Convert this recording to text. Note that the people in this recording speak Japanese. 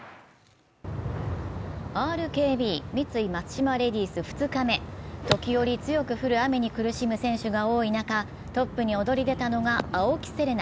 ＲＫＢ×三井松島レディス２日目、時折強く降る雨に苦しむ選手が多い中、トップに躍り出たのが青木瀬令奈。